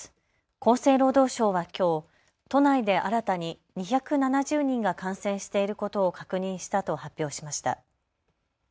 厚生労働省はきょう都内で新たに２７０人が感染していることを確認したと発表しました。